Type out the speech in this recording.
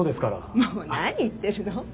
もう何言ってるの。